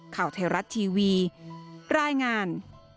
ข่าวไทยรัฐทีวีรายงาน